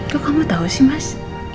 lu kamu tau sih mas